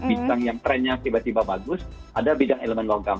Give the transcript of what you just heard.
bintang yang trennya tiba tiba bagus ada bidang elemen logam